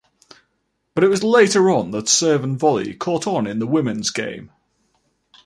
But it was later on that serve and volley caught on in women's game.